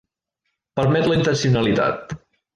Permet la intencionalitat.